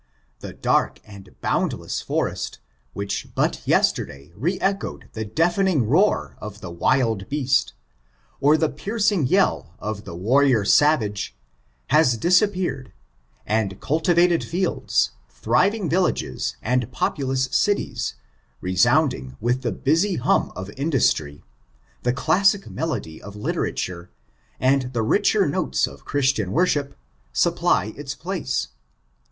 The dark and boundless forest, which but yesterday re echoed the deafening roar of the wild beast, or the piercing yell of the warrior savage^ baa disappeared, and cultivated fields, thriving villages, and populous cities, resounding with the busy hum of industry, the classic melody of literature, and iha richer notea of Christian worship, supply its place.